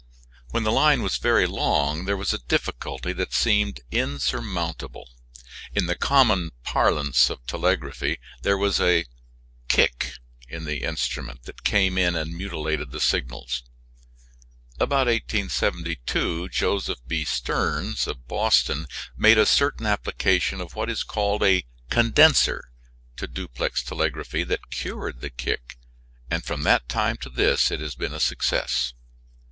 When the line was very long there was a difficulty that seemed insurmountable. In the common parlance of telegraphy, there was a "kick" in the instrument that came in and mutilated the signals. About 1872 Joseph B. Stearns of Boston made a certain application of what is called a "condenser" to duplex telegraphy that cured the "kick," and from that time to this it has been a success.